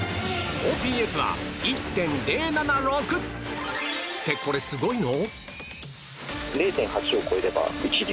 ＯＰＳは１．０７６！って、これすごいの？